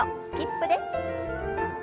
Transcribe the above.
スキップです。